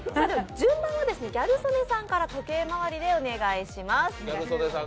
順番は、ギャル曽根さんから時計回りでお願いします。